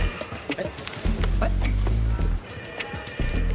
はい？